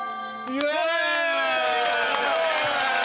イエーイ